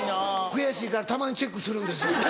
悔しいからたまにチェックするんです。